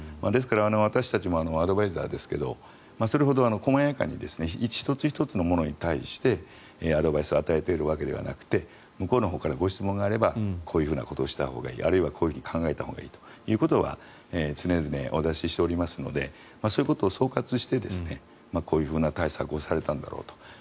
ですから私たちもアドバイザーですけどそれほど細やかに１つ１つのものに対してアドバイスを与えているわけではなくて向こうのほうからご質問があればこうしたほうがいいあるいはこういうふうに考えたほうがいいというのは常々、お出ししていますのでそういうことを総括してこういう対策をされたんだろうと。